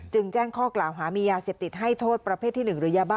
แจ้งข้อกล่าวหามียาเสพติดให้โทษประเภทที่๑หรือยาบ้า